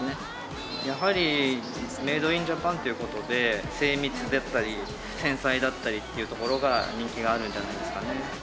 やはりメイドインジャパンという事で精密だったり繊細だったりっていうところが人気があるんじゃないですかね。